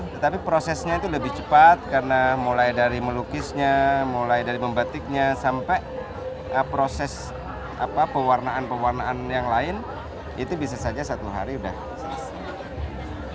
tetapi prosesnya itu lebih cepat karena mulai dari melukisnya mulai dari membatiknya sampai proses pewarnaan pewarnaan yang lain itu bisa saja satu hari sudah selesai